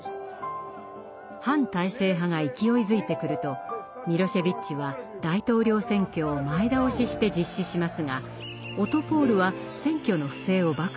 反体制派が勢いづいてくるとミロシェヴィッチは大統領選挙を前倒しして実施しますがオトポール！は選挙の不正を暴露。